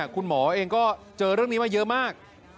คุณหมอเองก็เจอเรื่องนี้มาเยอะมาก